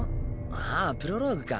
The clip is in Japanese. ああプロローグか。